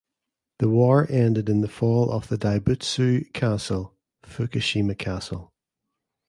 The war ended in the fall of the Daibutsu Castle (Fukushima Castle).